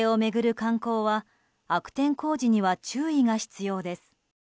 観光は悪天候時には注意が必要です。